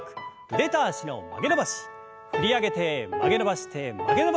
振り上げて曲げ伸ばして曲げ伸ばして振り下ろす。